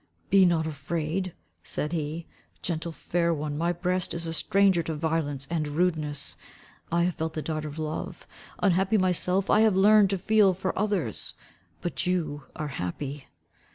"Be not afraid," said he, "gentle fair one, my breast is a stranger to violence and rudeness. I have felt the dart of love. Unhappy myself, I learn to feel for others. But you are happy."